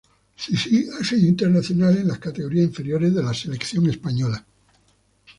Sisi ha sido internacional en las categorías inferiores de la Selección Española.